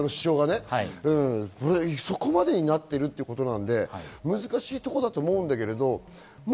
そこまでになっているということなので難しいところだと思うんだけれども。